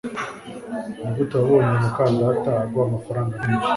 Nigute wabonye muka data aguha amafaranga menshi?